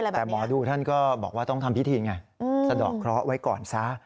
แต่หมอดูท่านก็บอกว่าต้องทำพิธีไงสะดอกเคราะห์ไว้ก่อนซะ